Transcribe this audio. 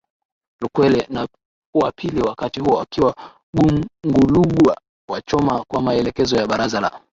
lukwele wa pili wakati huo akiwa Gungulugwa wa Choma kwa maelekezo ya Baraza la